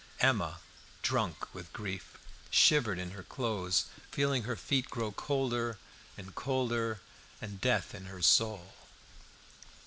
Emma, drunk with grief, shivered in her clothes, feeling her feet grow colder and colder, and death in her soul.